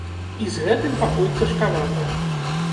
І з гэтым пакуль цяжкавата.